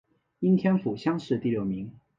应天府乡试第六名。